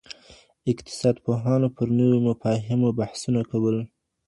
اقتصاد پوهانو پر نويو مفاهيمو بحثونه کول.